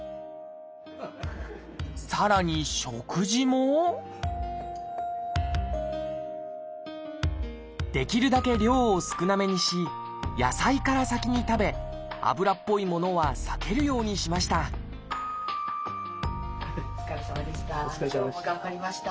さらに食事もできるだけ量を少なめにし野菜から先に食べ油っぽいものは避けるようにしましたお疲れさまでした。